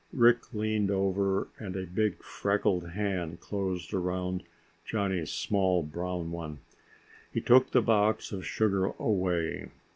Rick leaned over and a big freckled hand closed around Johnny's small brown one. He took the box of sugar away.